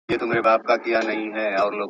نوښت ستاسو په شخصیت کي ځلا راولي.